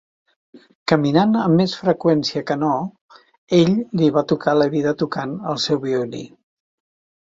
Caminant amb més freqüència que no, ell li va tocar la vida tocant el seu violí.